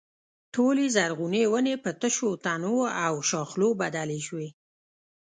ټولې زرغونې ونې په تشو تنو او ښاخلو بدلې شوې.